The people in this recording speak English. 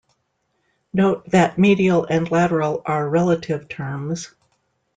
Note that medial and lateral are relative terms.